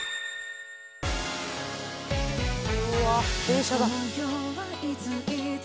うわ電車だ。